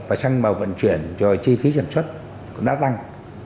và xăng màu vận chuyển rồi chi phí sản xuất cũng đã tăng